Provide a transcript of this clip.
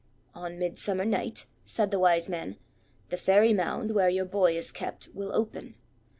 "On Midsummer Night," said the Wise man, "the Fairy Mound, where your boy is kept, will open.